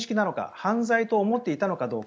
犯罪と思っていたのかどうか。